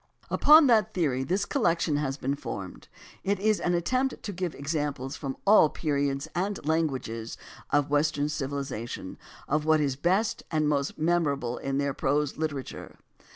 Upon that theory this collection has been formed. It is an attempt to give examples from all periods and languages of Western civilization of what is best and most memorable in their prose literature.